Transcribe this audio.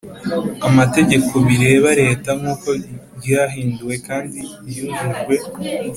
amategeko bireba Leta nk uko ryahinduwe kandi ryujujwe